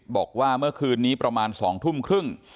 บอกว่าเมื่อคืนนี้ประมาณ๒ทุ่มครึ่ง